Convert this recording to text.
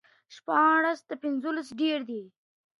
شپاړس تر پنځلسو ډېر دي.